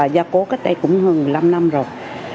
gia cố cách đây cũng hơn một mươi năm năm rồi